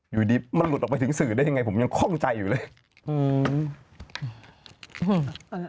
อยู่ดีมันหลุดออกไปถึงสื่อได้ยังไงผมยังคล่องใจอยู่เลยอืม